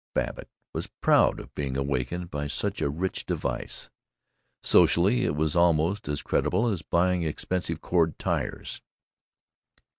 Babbitt was proud of being awakened by such a rich device. Socially it was almost as creditable as buying expensive cord tires.